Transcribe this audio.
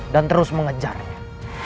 dan terus mengejarnya